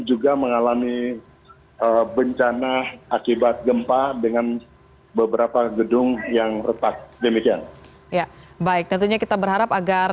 untuk para pengusaha